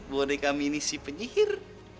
boneka mini si penyihir